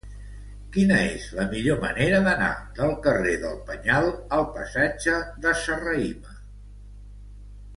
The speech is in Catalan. Quina és la millor manera d'anar del carrer del Penyal al passatge de Serrahima?